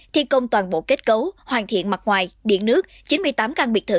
thi công toàn bộ kết cấu hoàn thiện mặt ngoài điện nước chín mươi tám căn biệt thự